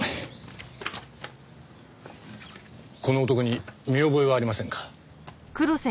この男に見覚えはありませんか？